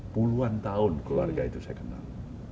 puluhan tahun keluarga itu saya kenal